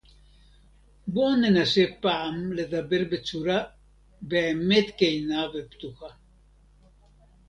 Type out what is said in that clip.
בוא ננסה פעם לדבר בצורה באמת כנה ופתוחה